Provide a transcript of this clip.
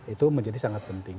itu menjadi sangat penting